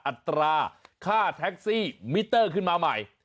อัตราค่าแท็กซี่มิเตอร์ขึ้นมาใหม่